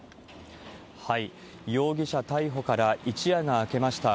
容疑者逮捕から一夜が明けました。